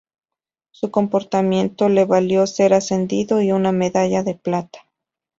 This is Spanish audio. Su comportamiento le valió ser ascendido y una medalla de plata.